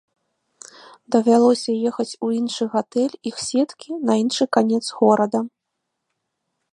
Давялося ехаць у іншы гатэль іх сеткі на іншы канец горада.